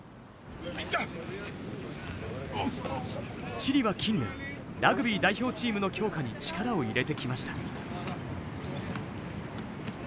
チリは近年ラグビー代表チームの強化に力を入れてきました。